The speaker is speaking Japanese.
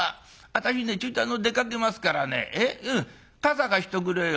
私ねちょいと出かけますからね傘貸しとくれよ。